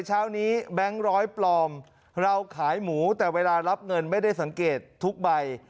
เช้านี้แบงค์ร้อยปลอมเราขายหมูแต่เวลารับเงินไม่ได้สังเกตทุกใบ